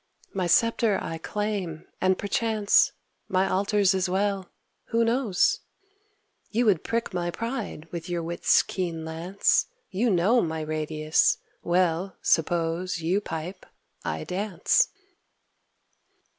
My sceptre I claim, and, perchance, My altars as well, who knows? You would prick my pride with your wit's keen lance, You know my radius. Well, suppose You pipe, I dance.